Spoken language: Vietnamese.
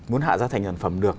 muốn hạ gia thành sản phẩm được